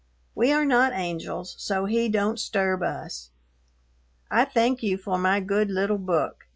We are not angels so he Dont sturb us. I thank you for my good little book.